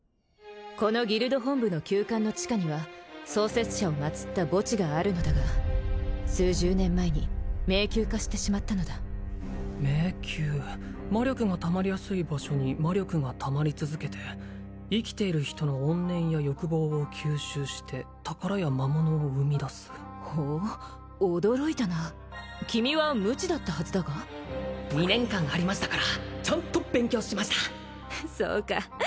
このギルド本部の旧館の地下には創設者を祀った墓地があるのだが数十年前に迷宮化してしまったのだ迷宮魔力がたまりやすい場所に魔力がたまり続けて生きている人の怨念や欲望を吸収して宝や魔物を生みだすほう驚いたな君は無知だったはずだが２年間ありましたからちゃんと勉強しましたそうか